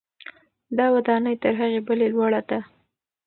دا ودانۍ تر هغې بلې لوړه ده.